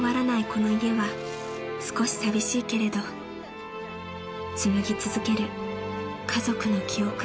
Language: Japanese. この家は少し寂しいけれどつむぎ続ける家族の記憶］